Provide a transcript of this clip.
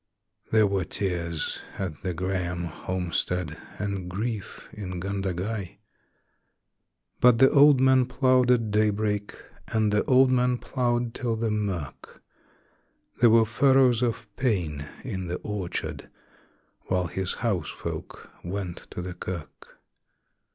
There were tears at the Grahame homestead and grief in Gundagai; But the old man ploughed at daybreak and the old man ploughed till the mirk There were furrows of pain in the orchard while his housefolk went to the kirk.